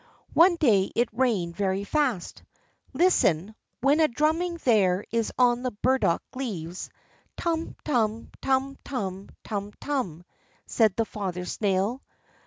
One day it rained very fast. "Listen, what a drumming there is on the burdock leaves; tum, tum, tum; tum, tum, tum," said the father snail.